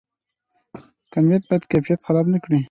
کمیت باید کیفیت خراب نکړي؟